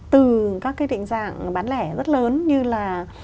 từ các cái định dạng bán lẻ rất lớn như là